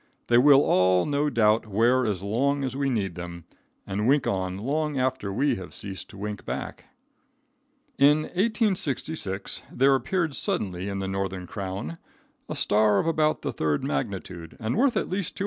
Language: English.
They will all no doubt wear as long as we need them, and wink on long after we have ceased to wink back. In 1866 there appeared suddenly in the northern crown a star of about the third magnitude and worth at least $250.